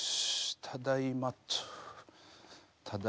ただいま。